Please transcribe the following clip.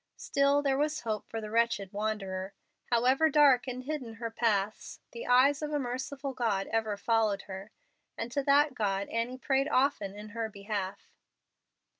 Still there was hope for the wretched wanderer. However dark and hidden her paths, the eyes of a merciful God ever followed her, and to that God Annie prayed often in her behalf.